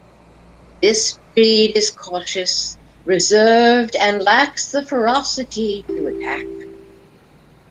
This breed is cautious, reserved and lacks the ferocity to attack.